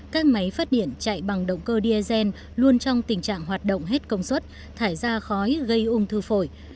các máy phát điện chạy bằng động cơ diesel luôn trong tình trạng hoạt động hết công suất thải ra khói gây ung thư phổi